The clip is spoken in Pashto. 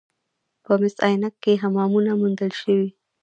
په مس عینک کې حمامونه موندل شوي